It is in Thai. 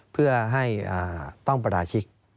เพื่อให้ต้องประราชิก